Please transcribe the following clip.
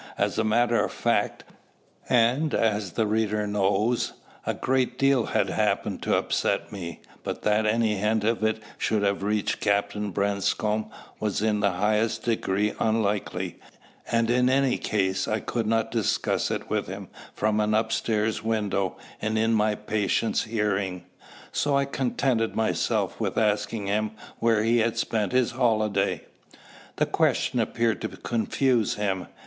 As a matter of fact, and as the reader knows, a great deal had happened to upset me, but that any hint of it should have reached Captain Branscome was in the highest degree unlikely, and in any case I could not discuss it with him from an upstairs window and in my patient's hearing. So I contented myself with asking him where he had spent his holiday. The question appeared to confuse him.